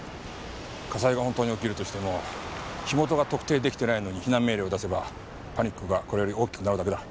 火災が本当に起きるとしても火元が特定出来てないのに避難命令を出せばパニックがこれより大きくなるだけだ。